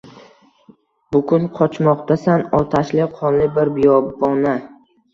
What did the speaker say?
Bukun qochmoqdasan otashli, qonli bir biyobona